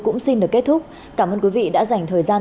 cũng xin được kết thúc cảm ơn quý vị đã dành thời gian